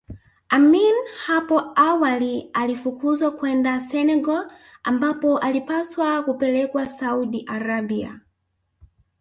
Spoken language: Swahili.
Amin hapo awali alifukuzwa kwenda Senegal ambapo alipaswa kupelekwa Saudi Arabia